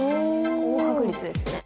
高確率ですね。